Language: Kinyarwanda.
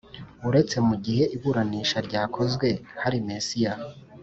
Uretse mu gihe iburanisha ryakozwe hari mesiya